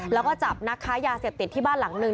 แล้วก็จับนักค้ายาเสพติดที่บ้านหลังหนึ่ง